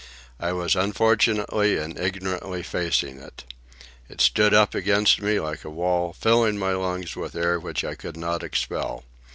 I was unfortunately and ignorantly facing it. It stood up against me like a wall, filling my lungs with air which I could not expel.